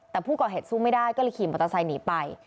แต่ผู้ก่อเหตุสู้ไม่ได้ก็เลยขี่มอเตอร์ไซค์หนีไป